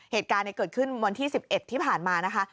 เหตุการณ์เกิดขึ้นวันที่๑๑ที่ผ่านมานะคะ